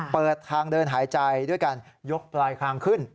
เปิดทางเดินหายใจด้วยการยกปลายคางขึ้น